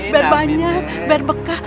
biar banyak biar bekas